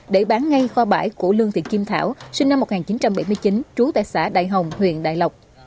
để bán ngay kho bãi của lương thị kim thảo sinh năm một nghìn chín trăm bảy mươi chín trú tại xã đại hồng huyện đại lộc